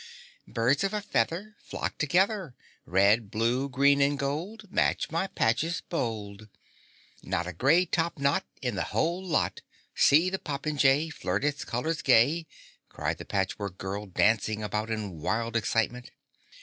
"Birds of a feather Flock together. Red, blue, green and gold Match my patches, bold. "Not a grey topknot In the whole lot! See the popinjay Flirt its colors gay..." cried the Patchwork Girl, dancing about in wild excitement.